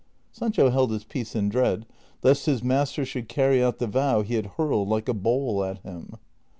Sancho held his peace in dread lest his master should carry out the vow he had hurled like a bowl at him.